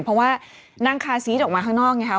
เพราะว่านั่งคาซีสออกมาข้างนอกไงครับ